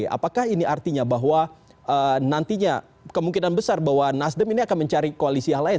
apakah ini artinya bahwa nantinya kemungkinan besar bahwa nasdem ini akan mencari koalisi yang lain